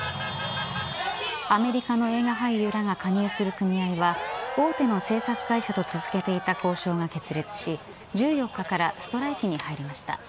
アメリカの映画俳優らが加入する組合は大手の製作会社と続けていた交渉が決裂し１４日からストライキに入りました。